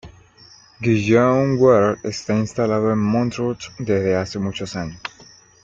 Guillaume Werle está instalado en Montrouge desde hace muchos años.